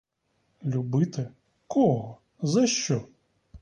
Любити — кого, за що?